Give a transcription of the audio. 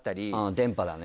電波だね。